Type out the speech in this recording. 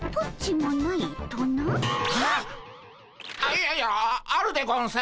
いやいやあるでゴンス。